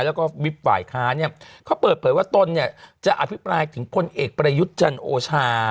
แล้วก็วิบฝ่ายค้าเขาเปิดเผยว่าต้นจะอธิบายถึงคนเอกประยุจรรย์โอชา